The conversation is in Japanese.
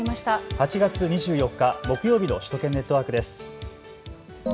８月２４日木曜日の首都圏ネットワークです。